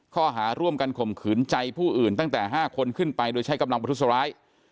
ข้อหาร่วมกันข่มขืนใจผู้อื่นตั้งแต่๕คนขึ้นไปโดยใช้กำลังประทุษร้าย